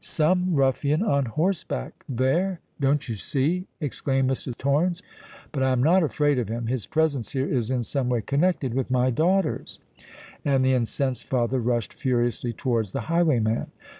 "Some ruffian on horseback—there—don't you see?" exclaimed Mr. Torrens. "But I am not afraid of him: his presence here is in some way connected with my daughters." And the incensed father rushed furiously towards the highwayman.